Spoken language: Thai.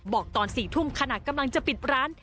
บอกตอน๔ทุ่มขณะกำลังจะปิดร้าน